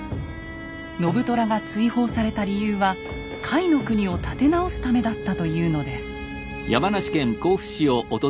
信虎が追放された理由は甲斐国を立て直すためだったというのです。